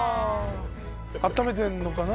あっためてるのかな？